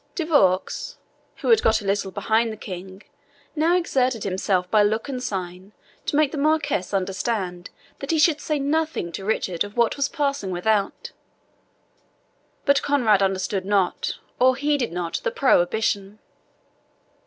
De Vaux, who had got a little behind the King, now exerted himself by look and sign to make the Marquis understand that he should say nothing to Richard of what was passing without. But Conrade understood not, or heeded not, the prohibition.